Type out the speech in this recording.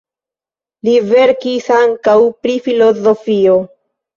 Li verkis ankaŭ pri filozofio.